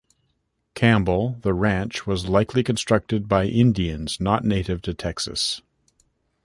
Campbell, the ranch was likely constructed by Indians not native to Texas.